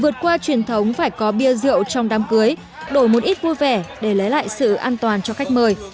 vượt qua truyền thống phải có bia rượu trong đám cưới đổi một ít vui vẻ để lấy lại sự an toàn cho khách mời